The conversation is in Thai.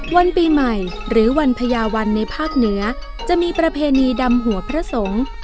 วันปีใหม่หรือวันพญาวันในภาคเหนือจะมีประเพณีดำหัวพระสงฆ์